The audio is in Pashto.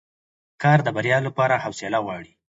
کار د بریا لپاره حوصله غواړي